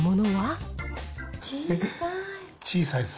小さーい。